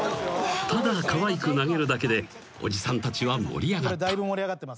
［ただかわいく投げるだけでおじさんたちは盛り上がった］